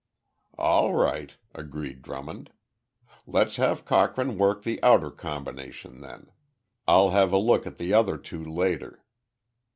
"All right," agreed Drummond. "Let's have Cochrane work the outer combination, then. I'll have a look at the other two later."